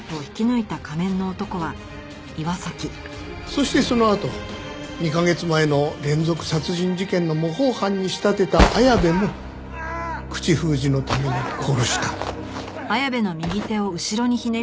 そしてそのあと２カ月前の連続殺人事件の模倣犯に仕立てた綾部も口封じのために殺した。